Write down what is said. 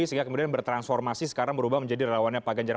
sehingga kemudian bertransformasi sekarang berubah menjadi relawannya pak ganjar